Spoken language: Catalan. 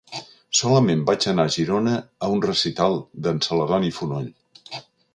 Solament vaig anar a Girona a un recital d'en Celdoni Fonoll.